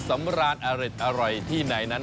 สำรานเลือดหรืออร่อยที่ในนั้น